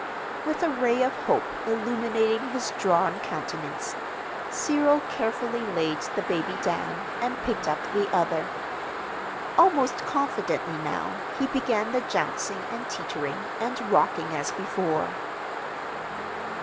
With a ray of hope illuminating his drawn countenance, Cyril carefully laid the baby down and picked up the other. Almost confidently now he began the jouncing and teetering and rocking as before.